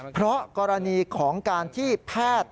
เพราะกรณีของการที่แพทย์